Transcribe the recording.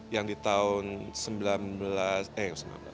yang di tahun dua ribu sembilan belas eh dua ribu sembilan belas